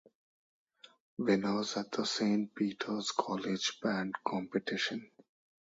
Winners at St.Peter's college band competition.